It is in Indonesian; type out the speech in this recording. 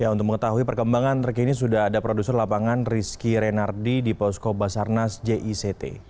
untuk mengetahui perkembangan terkini sudah ada produser lapangan rizky renardi di posko basarnas jict